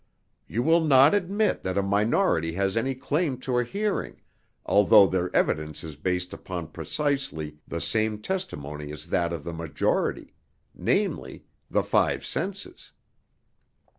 You will not admit that a minority has any claim to a hearing, although their evidence is based upon precisely the same testimony as that of the majority namely, the five senses.